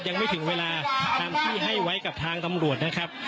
ยังไม่ถึงเวลาตามที่ให้ไว้กับทางตำรวจนะครับ